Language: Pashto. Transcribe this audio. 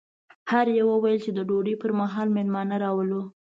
هر یوه ویل چې د ډوډۍ پر مهال مېلمانه راولو.